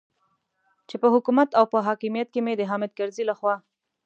چې په حکومت او په حاکمیت کې مې د حامد کرزي لخوا.